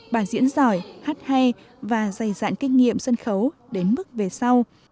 bài diễn giỏi hát hay và dày dạn kinh nghiệm sân khấu đến mức về sau